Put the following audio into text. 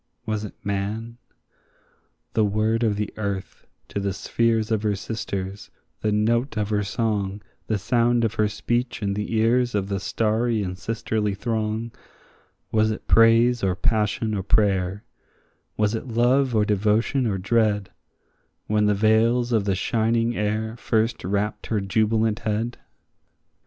was it man? The word of the earth to the spheres her sisters, the note of her song, The sound of her speech in the ears of the starry and sisterly throng, Was it praise or passion or prayer, was it love or devotion or dread, When the veils of the shining air first wrapt her jubilant head?